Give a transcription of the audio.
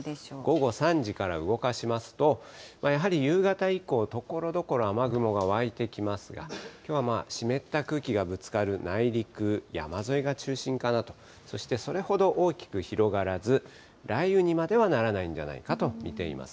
午後３時から動かしますと、やはり夕方以降、ところどころ雨雲が湧いてきますが、きょうは湿った空気がぶつかる内陸、山沿いが中心かなと、そしてそれほど大きく広がらず、雷雨にまではならないんじゃないかと見ています。